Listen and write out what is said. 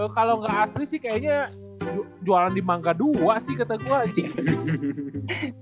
kalau enggak asli sih kayaknya jualan di mangga dua sih kata gue anjing